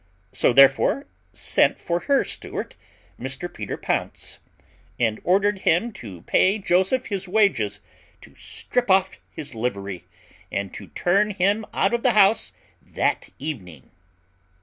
She therefore sent for her steward, Mr Peter Pounce, and ordered him to pay Joseph his wages, to strip off his livery, and to turn him out of the house that evening.